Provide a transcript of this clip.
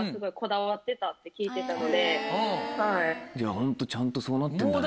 ホントちゃんとそうなってんだね。